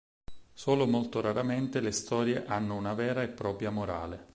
Solo molto raramente le storie hanno una vera e propria morale.